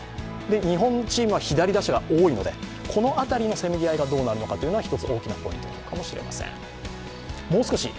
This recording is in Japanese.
日本チームは左打者が多いのでこの辺りのせめぎ合いがどうなるのかというのはひとつ大きなポイントになるのかもしれません。